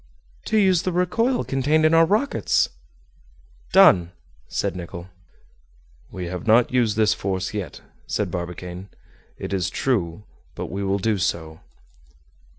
"To use the recoil contained in our rockets." "Done!" said Nicholl. "We have not used this force yet," said Barbicane, "it is true, but we will do so."